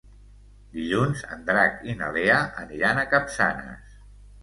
Dilluns en Drac i na Lea aniran a Capçanes.